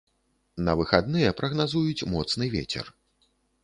На выхадныя прагназуюць моцны вецер.